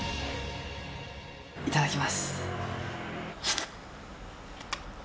いただきます。